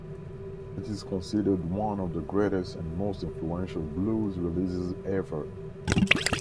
It is considered one of the greatest and most influential blues releases ever.